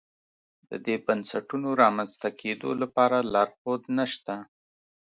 د دې بنسټونو رامنځته کېدو لپاره لارښود نه شته.